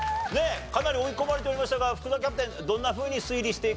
かなり追い込まれておりましたが福澤キャプテンどんなふうに推理していかれました？